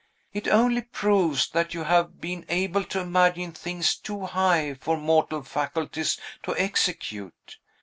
It only proves that you have been able to imagine things too high for mortal faculties to execute.